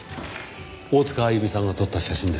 大塚あゆみさんが撮った写真ですか？